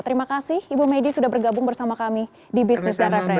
terima kasih ibu medi sudah bergabung bersama kami di bisnis dan referensi